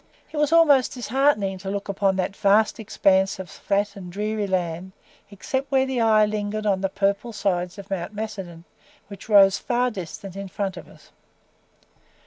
It was almost disheartening to look upon that vast expanse of flat and dreary land except where the eye lingered on the purple sides of Mount Macedon, which rose far distant in front of us.